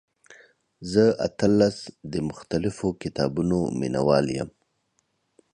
زه اتلس د مختلفو کتابونو مینوال یم.